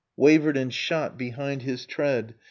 Wavered and shot behind his tread.